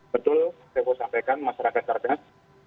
betul saya mau sampaikan masyarakat cerdas